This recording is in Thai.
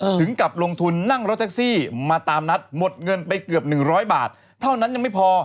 ถึงกับลงทุนนั่งรถแท็กซี่มาตามนัดหมดเงินไปเกือบ๑๐๐บาทเท่านั้นยังไม่พอ